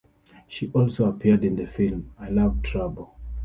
She also appeared in the film "I Love Trouble".